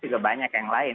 juga banyak yang lain